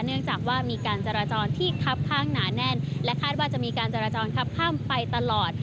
เนื่องจากว่ามีการจราจรที่คับข้างหนาแน่นและคาดว่าจะมีการจราจรคับข้ามไปตลอด